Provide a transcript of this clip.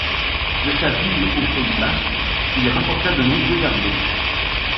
De sa vie au pays basque, il rapporta de nombreux tableaux.